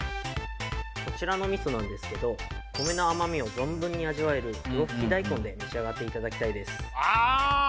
こちらの味噌なんですけど米の甘みを存分に味わえるふろふき大根で召し上がっていただきたいですあ！